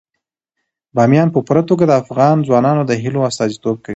بامیان په پوره توګه د افغان ځوانانو د هیلو استازیتوب کوي.